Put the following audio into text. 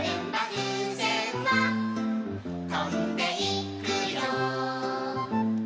「ふうせんはとんでいくよ」